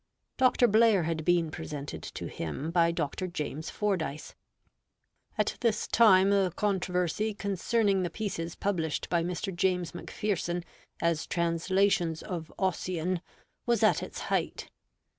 Dr. Blair had been presented to him by Dr. James Fordyce. At this time the controversy concerning the pieces published by Mr. James Macpherson as translations of Ossian was at its height.